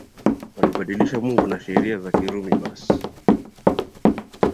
walibadilisha Mungu na Sheria ya Kirumi basi